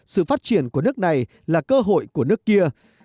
sự phát triển của nước này là cơ hội của nước kia